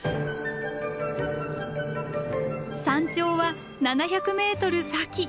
山頂は７００ｍ先。